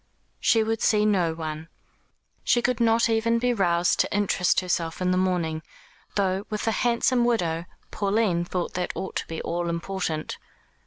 She would see no one. She could not even be roused to interest herself in the mourning, though, with a handsome widow, Pauline thought that ought to be all important.